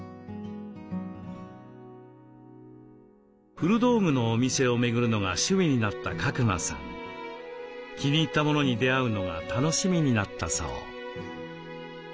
古道具のお店を巡るのが趣味になった鹿熊さん気に入ったものに出会うのが楽しみになったそう。